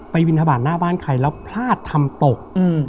บินทบาทหน้าบ้านใครแล้วพลาดทำตก